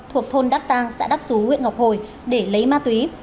thuộc thôn đắc tang xã đắc xú huyện ngọc hồi để lấy ma túy